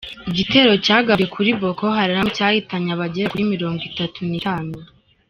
Igitero cyagabwe kuri Boko Haramu cyahitanye abagera kuri Mirongo Itatu nitanu